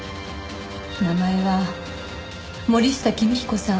名前は森下紀見彦さん。